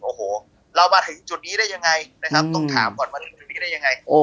โอ้โหเรามาถึงจุดนี้ได้ยังไงต้องถามก่อนวันนี้ได้ยังไง